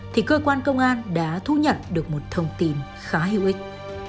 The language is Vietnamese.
thì cơ quan công an đã thu nhận được một thông tin khá hữu ích